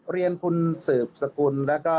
เรียนคุณสืบสกุลแล้วก็